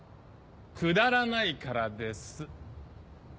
くだらないからです。